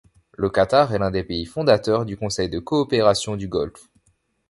Le Qatar est l'un des pays fondateurs du Conseil de coopération du Golfe.